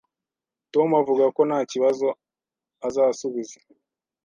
Tom avuga ko nta kibazo azasubiza.